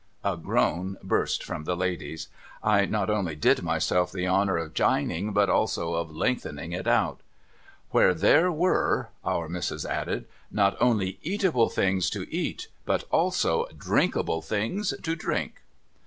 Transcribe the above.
A groan burst from the ladies. I not only did myself the honour of jining, but also of lengthening it out. ' Where there were,' Our Missis added, ' not only eatable things to eat, but also drinkable things to drink